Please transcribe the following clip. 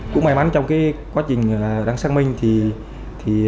cũng may mắn trong quá trình đăng xác minh